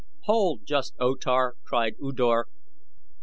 "Hold, just O Tar!" cried U Dor.